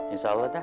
insya allah dah